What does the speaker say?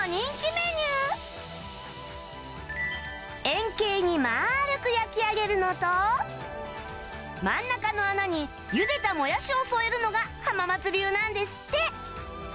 円形に丸く焼き上げるのと真ん中の穴にゆでたもやしを添えるのが浜松流なんですって